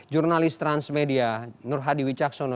jurnalis transmedia nur hadi wicakson